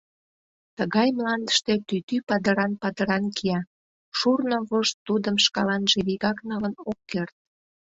Тыгай мландыште тӱтӱ падыран-падыран кия; шурно вож тудым шкаланже вигак налын ок керт.